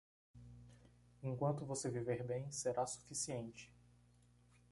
Enquanto você viver bem, será suficiente.